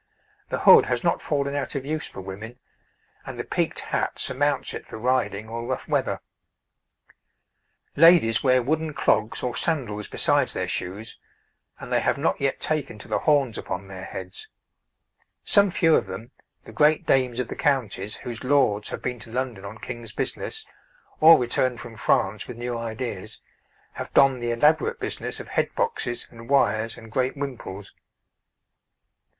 The hood has not fallen out of use for women, and the peaked hat surmounts it for riding or rough weather. Ladies wear wooden clogs or sandals besides their shoes, and they have not yet taken to the horns upon their heads; some few of them, the great dames of the counties whose lords have been to London on King's business, or returned from France with new ideas, have donned the elaborate business of head boxes and wires and great wimples.